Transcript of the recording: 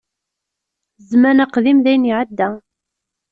Zzman aqdim dayen iεedda.